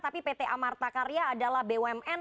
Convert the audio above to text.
tapi pt amartakarya adalah bumn